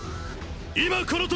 今この時！！